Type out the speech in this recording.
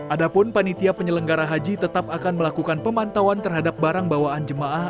adapun panitia penyelenggara haji tetap akan melakukan pemantauan terhadap barang bawaan jemaah